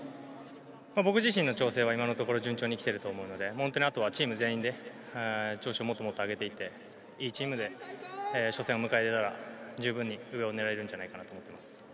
僕自身の調整は今のところ順調に来ていると思うのであとはチーム全員で調子をもっともっと上げていって、いいチームで初戦を迎えられたら十分に上を狙えるんじゃないかなと思います。